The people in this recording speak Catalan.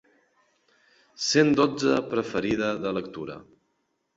Cent dotze preferida de lectura.